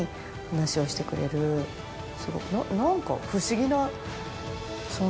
すごく何か。